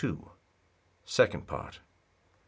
Second Part. C.